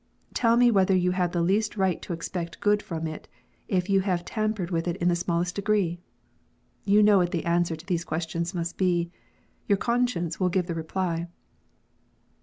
Tell me whether you have the least right to expect good from it, if you have tampered with it in the smallest degree 1 You know what the answer to these questions must be : your conscience will give the reply.